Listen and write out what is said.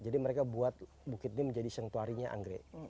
jadi mereka buat bukit ini menjadi sengtuarinya anggrek